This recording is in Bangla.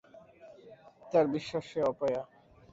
তার বিশ্বাস সে অপয়া।